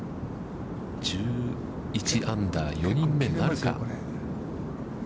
１１アンダー、４人目なるか。